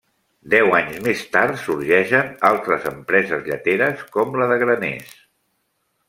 Deu anys més tard, sorgeixen altres empreses lleteres, com la de Graners.